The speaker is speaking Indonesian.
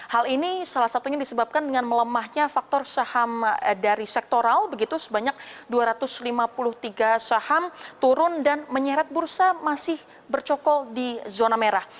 hal ini salah satunya disebabkan dengan melemahnya faktor saham dari sektoral begitu sebanyak dua ratus lima puluh tiga saham turun dan menyeret bursa masih bercokol di zona merah